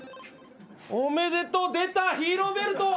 おめでとう出たヒーローベルト。